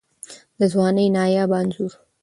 د ځوانۍ نایابه انځور